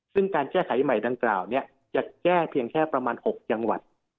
ซึ่งการแก้ไขใหม่ดังกล่าวจะแก้เพียงแค่ประมาณ๖จังหวัด